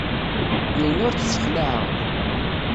Yiwen ur t-ssexlaɛeɣ.